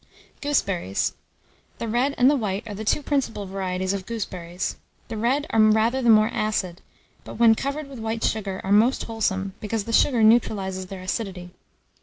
] GOOSEBERRIES. The red and the white are the two principal varieties of gooseberries. The red are rather the more acid; but, when covered with white sugar, are most wholesome, because the sugar neutralizes their acidity.